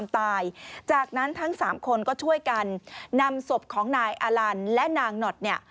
จากนั้นทั้งสามคนก็ช่วยกันนำศพของนายอลันและนางหนอดเนี่ย